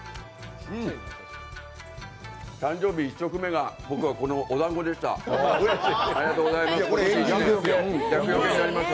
誕生日１食目が僕はこのおだんごでした。